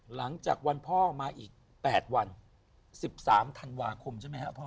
หลังจากวันพ่อมาอีก๘วัน๑๓ธันวาคมใช่ไหมครับพ่อ